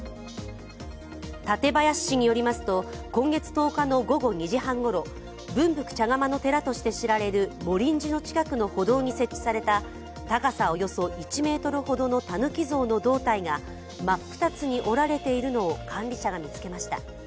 館林市によりますと今月１０日の午後２時半ごろ「分福茶釜」の寺として知られる茂林寺の近くの歩道に設置された高さおよそ１ｍほどのたぬき像の胴体が真っ二つに折られているのを管理者が見つけました。